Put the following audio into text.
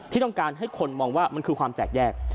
ที่ต้องการให้คนมองว่ามันคือความแตกแยก